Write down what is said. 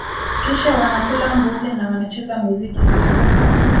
Kisha wanakula mbuzi na wanacheza muziki pia